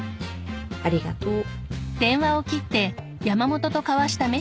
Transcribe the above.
ありがとう。